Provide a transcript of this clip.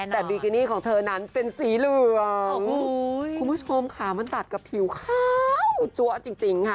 แต่บิกินี่ของเธอนั้นเป็นสีเหลืองคุณผู้ชมขามันตัดกับผิวขาวจั๊วจริงค่ะ